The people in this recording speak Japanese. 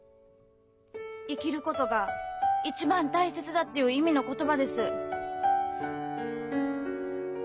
「生きることが一番大切だ」という意味の言葉です。